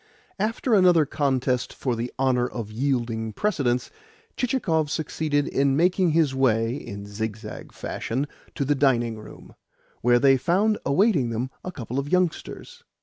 After another contest for the honour of yielding precedence, Chichikov succeeded in making his way (in zigzag fashion) to the dining room, where they found awaiting them a couple of youngsters.